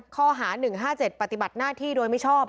ข้อหา๑๕๗ปฏิบัติหน้าที่โดยมิชอบ